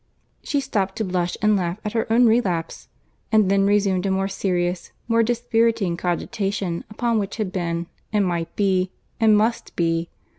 She stopt to blush and laugh at her own relapse, and then resumed a more serious, more dispiriting cogitation upon what had been, and might be, and must be.